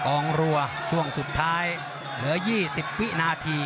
องรัวช่วงสุดท้ายเหลือ๒๐วินาที